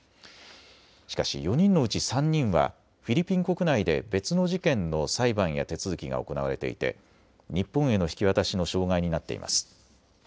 しかし４人のうち３人はフィリピン国内で別の事件の裁判や手続きが行われていて日本への引き渡しの障害になっています。